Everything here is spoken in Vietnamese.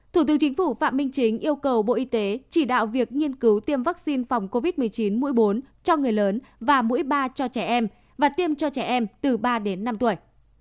thủ tướng chính phủ phạm minh chính yêu cầu bộ y tế chỉ đạo việc nghiên cứu tiêm vaccine phòng covid một mươi chín mũi bốn cho người lớn và mũi ba cho trẻ em và tiêm cho trẻ em từ ba đến năm tuổi